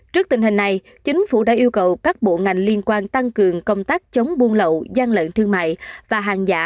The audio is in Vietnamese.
trước tình hình này chính phủ đã yêu cầu các bộ ngành liên quan tăng cường công tác chống buôn lậu gian lận thương mại và hàng giả